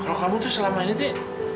kalau kamu tuh selama ini sih